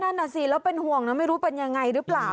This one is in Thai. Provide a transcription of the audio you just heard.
นั่นน่ะสิแล้วเป็นห่วงนะไม่รู้เป็นยังไงหรือเปล่า